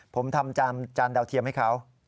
ผมทำจานดาวเทียมให้เขา